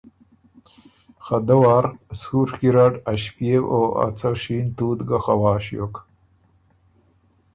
خه دۀ وار سُوڒ کیرډ ا ݭپئېو او څه ا شین تُوت ګۀ خوا ݭیوک۔